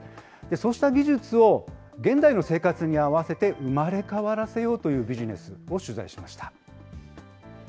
そうした技術を現代の生活に合わせて生まれ変わらせようというビジネスを取材しました。